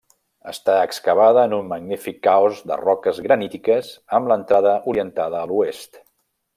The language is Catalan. Està excavada en un magnífic caos de roques granítiques, amb l'entrada orientada a l'oest.